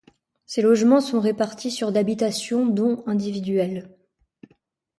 Ces logements sont répartis sur d'habitation dont individuelles.